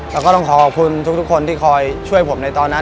แล้วก็ต้องขอขอบคุณทุกคนที่คอยช่วยผมในตอนนั้น